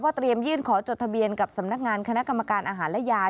เตรียมยื่นขอจดทะเบียนกับสำนักงานคณะกรรมการอาหารและยา